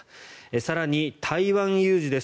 更に、台湾有事です。